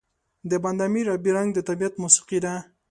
د بند امیر آبی رنګ د طبیعت موسيقي ده.